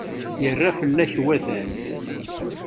Yerra fell-ak wadal.